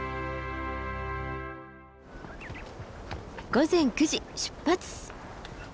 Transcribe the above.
午前９時出発。